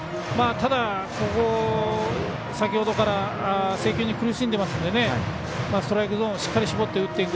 ただ、ここ先ほどから制球に苦しんでいますのでストライクゾーンをしっかり絞って打っていく。